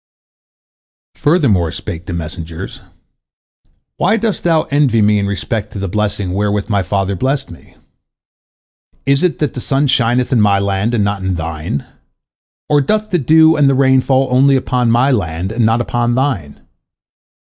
" Furthermore spake the messengers: "Why dost thou envy me in respect to the blessing wherewith my father blessed me? Is it that the sun shineth in my land, and not in thine? Or doth the dew and the rain fall only upon my land, and not upon thine?